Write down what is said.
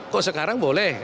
kok sekarang boleh